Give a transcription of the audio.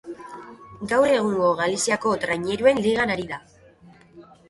Gaur egun Galiziako Traineruen Ligan ari da.